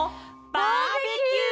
バーベキュー！